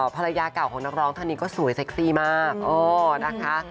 ภรรยาเก่าของนักร้องท่านนี้ก็สวยเซ็กซี่มากนะคะ